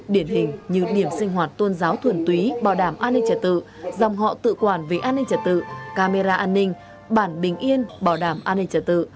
điển hình như điểm sinh hoạt tôn giáo thuần túy bảo đảm an ninh trật tự dòng họ tự quản về an ninh trật tự camera an ninh bản bình yên bảo đảm an ninh trật tự